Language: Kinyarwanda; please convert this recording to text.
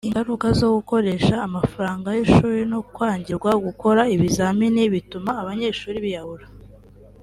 ingaruka zo gukoresha amafaranga y’ishuri no kwangirwa gukora ibizamini bituma abanyeshuri biyahura